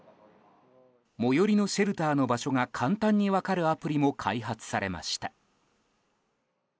最寄りのシェルターの場所が簡単に分かるアプリも開発されました。